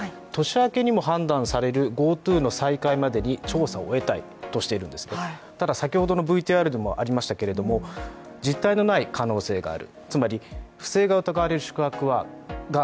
観光庁の長官はですね、年明けにも判断されるＧｏＴｏの再開までに調査を終えたいとしているんですけど、ただ先ほどのＶＴＲでもありましたけれども実態のない可能性がある。